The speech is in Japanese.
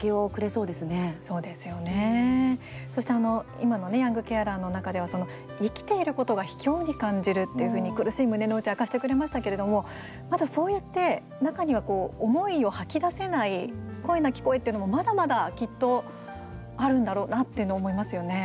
そうですよね、そして今のヤングケアラ―の中では生きていることがひきょうに感じるっていうふうに苦しい胸の内を明かしてくれましたけれどもまだ、そうやって中には思いを吐き出せない声なき声っていうのもまだまだ、きっとあるんだろうなっていうのを思いますよね。